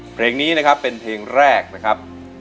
เพลงนี้นะครับเป็นเพลงแรกนะครับ